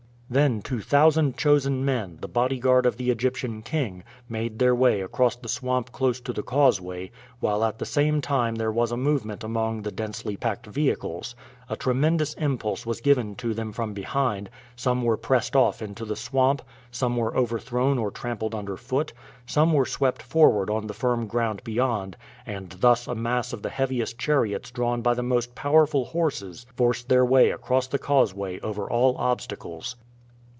Then two thousand chosen men, the bodyguard of the Egyptian king, made their way across the swamp close to the causeway, while at the same time there was a movement among the densely packed vehicles. A tremendous impulse was given to them from behind: some were pressed off into the swamp, some were overthrown or trampled under foot, some were swept forward on to the firm ground beyond, and thus a mass of the heaviest chariots drawn by the most powerful horses forced their way across the causeway over all obstacles.